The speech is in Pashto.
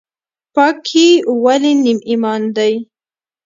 پاکي ولې نیم ایمان دی؟